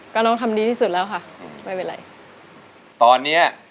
ก็น้องทำดีที่สุดแล้วค่ะอืมไม่เป็นไรตอนเนี้ย